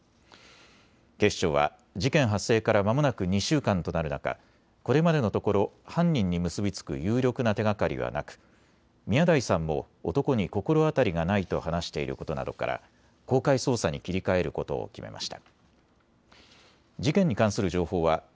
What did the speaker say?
警視庁は事件発生からまもなく２週間となる中、これまでのところ犯人に結び付く有力な手がかりはなく宮台さんも男に心当たりがないと話していることなどから公開捜査に切り替えることを決めました。